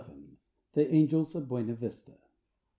XI. "THE ANGELS OF BUENA VISTA."